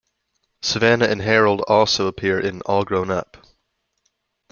Savannah and Harold also appear in All Grown Up!